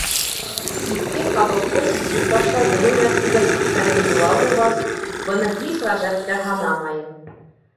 — Иҫке ҡабыҡты сисеп ташлау беҙҙең нәҫелдә күптәнге йола булғас, быны һис ғәжәпкә һанамайым.